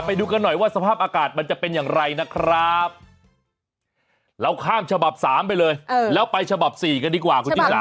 ไปดูกันหน่อยว่าสภาพอากาศมันจะเป็นอย่างไรนะครับเราข้ามฉบับ๓ไปเลยแล้วไปฉบับ๔กันดีกว่าคุณชิสา